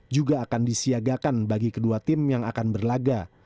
juga akan disiagakan bagi kedua tim yang akan berlaga